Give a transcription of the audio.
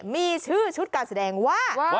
มีชื่อชุดการแสดงว่า